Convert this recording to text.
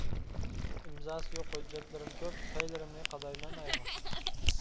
ئىمزاسى يوق ھۆججەتلىرىم كۆپ، پەيلىرىمنى قادايمەن ئايغا.